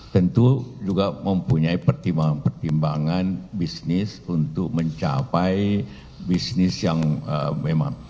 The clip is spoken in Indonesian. tentu juga mempunyai pertimbangan pertimbangan bisnis untuk mencapai bisnis yang memang